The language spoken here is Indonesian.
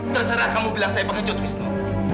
terserah kamu bilang saya mengejut wisnu